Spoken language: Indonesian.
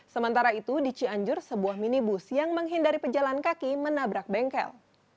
sementara itu di cianjur sebuah minibus yang menghindari pejalan kaki menabrak bengkel